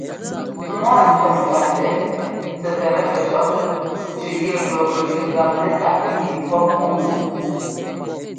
Mɔ ntɛ́mŋkatsɛꞌ tsɛtsɛt pɛcɔ̌ zʉꞌ yɛ pʉɔpɛtsʉʉ gap nɛ táꞌ yúu yɛ pɔ́p kɔŋnɛ́.